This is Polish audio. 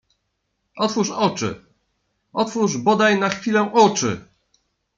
Otwórz oczy, otwórz bodaj na chwilę oczy!